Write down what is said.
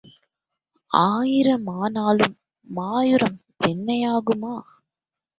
ஆயிரம் ஆனாலும் மாயூரம் வெண்ணெய் ஆகுமா?